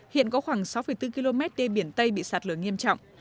hiện có khoảng sáu bốn km đê biển tây bị sạt lở nghiêm trọng